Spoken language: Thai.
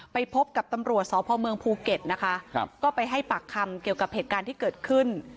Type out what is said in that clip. ไปพบกับตำรวจสพเมืองภูเก็ตนะคะก็ไปให้ปากคำเกี่ยวกับเหตุการณ์ที่เกิดขึ้น